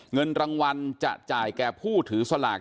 เงินรางวัลจะจ่ายแก่ผู้ถือสลาก